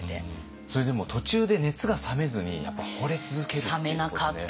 それでも途中で熱が冷めずにやっぱほれ続けるっていうことで。